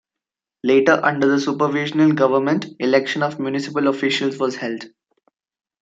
Later, under the supervisional government, election of municipal officials was held.